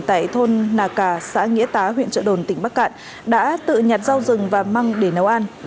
tại thôn nà cà xã nghĩa tá huyện trợ đồn tỉnh bắc cạn đã tự nhặt rau rừng và măng để nấu ăn